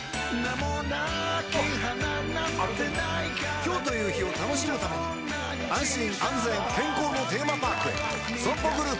今日という日を楽しむために安心安全健康のテーマパークへＳＯＭＰＯグループ